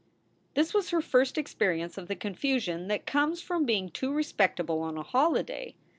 This was her first experience of the confusion that comes from being too respectable on a holiday.